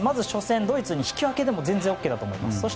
初戦のドイツに引き分けでも全然ＯＫだと思います。